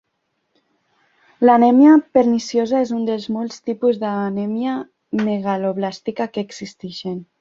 L'anèmia perniciosa és un dels molts tipus d'anèmia megaloblàstica que existeixen.